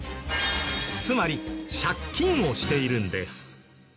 つまり借金をしているんです。